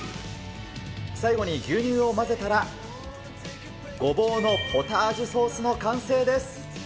最後に牛乳を混ぜたら、ごぼうのポタージュソースの完成です。